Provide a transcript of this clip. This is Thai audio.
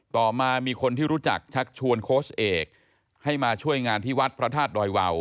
ต่อมามีคนที่รู้จักชักชวนโค้ชเอกให้มาช่วยงานที่วัดพระธาตุดอยวาว